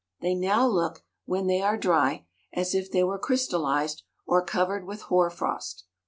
They now look, when they are dry, as if they were crystallised or covered with hoar frost.